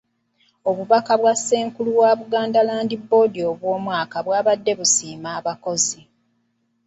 Obubaka bwa ssenkulu wa Buganda Landa Board obw'omwaka bwabadde busiima abakozi.